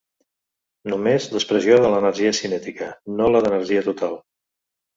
Només l'expressió de l'energia cinètica, no la d'energia total.